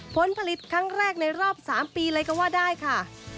ผลผลิตครั้งแรกในรอบ๓ปีเลยก็ว่าได้ค่ะ